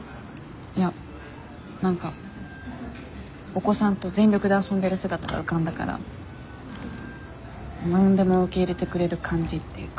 いや何かお子さんと全力で遊んでる姿が浮かんだから何でも受け入れてくれる感じっていうか。